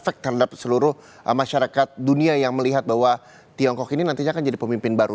efek terhadap seluruh masyarakat dunia yang melihat bahwa tiongkok ini nantinya akan jadi pemimpin baru